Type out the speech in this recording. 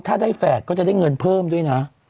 ถ้าได้แฝดก็จะได้เงินเพิ่มด้วยนะ